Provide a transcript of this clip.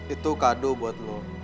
itu kado buat lo